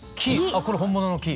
あこれ本物の木？